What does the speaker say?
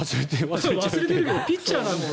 忘れてるけどピッチャーなんだよ。